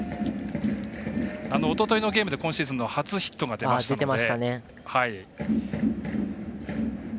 おとといのゲームで今シーズンの初ヒットが出ましたので。